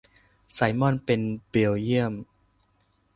ไซมอนเป็นเบลเยียม